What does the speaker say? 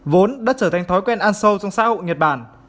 vốn đã trở thành thói quen ăn sâu trong xã hội nhật bản